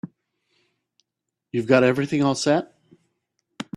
You've got everything all set?